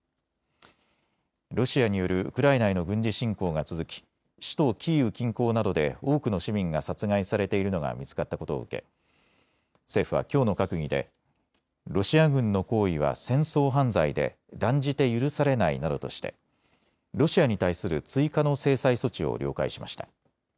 ロシアによるウクライナへの軍事侵攻が続き首都キーウ近郊などで多くの市民が殺害されているのが見つかったことを受け政府はきょうの閣議でロシア軍の行為は戦争犯罪で断じて許されないなどとしてロシアに対する追加の制裁措置を了解しました。